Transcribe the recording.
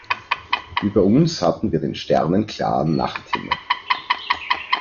Über uns hatten wir den sternenklaren Nachthimmel.